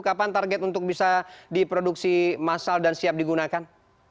kapan target untuk bisa diproduksi massal dan siap digunakan